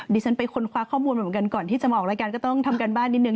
ดิฉันไปค้นคว้าข้อมูลมาเหมือนกันก่อนที่จะมาออกรายการก็ต้องทำการบ้านนิดนึ